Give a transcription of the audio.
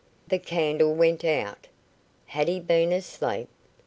The candle went out. Had he been asleep?